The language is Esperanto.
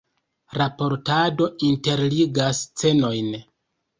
Raportado interligas scenojn.